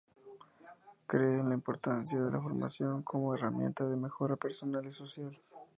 Cree en la importancia de la formación como herramienta de mejora personal y social.